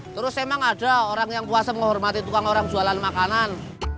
terus memang ada orang yang kuasa menghormati tukang orang jualan makanan